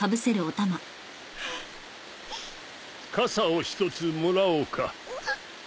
かさを一つもらおうか